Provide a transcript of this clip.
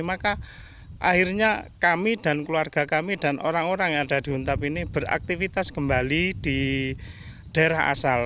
maka akhirnya kami dan keluarga kami dan orang orang yang ada di huntap ini beraktivitas kembali di daerah asal